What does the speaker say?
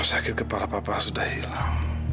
sakit kepala bapak sudah hilang